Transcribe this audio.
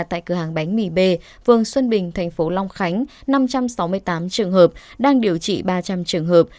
tại cửa hàng bánh mì b vương xuân bình tp long khánh năm trăm sáu mươi tám trường hợp đang điều trị ba trăm linh trường hợp